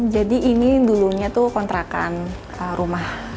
jadi ini dulunya tuh kontrakan rumah